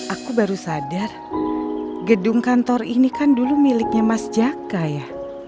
aku baru sadar gedung kantor ini kan dulu miliknya mas jaka ya